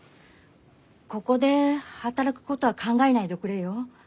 ここで働くことは考えないでおくれよ。